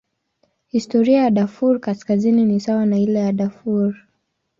Historia ya Darfur Kaskazini ni sawa na ile ya Darfur.